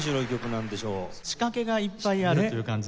仕掛けがいっぱいあるという感じ。